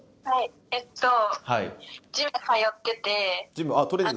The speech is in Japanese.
「はいえっと」